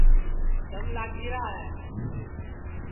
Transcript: دم لاگی را ہے